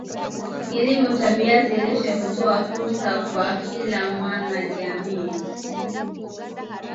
Kilimo cha viazi lishe hutoa fursa kwa kila mwana jamii